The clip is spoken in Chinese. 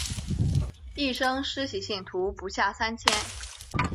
一生施洗信徒不下三千。